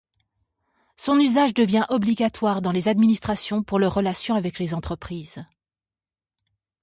Son usage devient obligatoire dans les administrations pour leurs relations avec les entreprises.